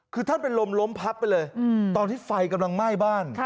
คือท่านเป็นลมล้มพับไปเลยตอนที่ไฟกำลังไหม้บ้าน